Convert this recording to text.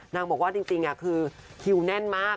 นางบอกว่าจริงคือคิวแน่นมาก